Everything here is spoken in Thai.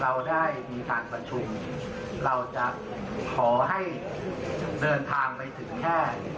เราได้มีการประชุมเราจะขอให้เดินทางไปถึงแค่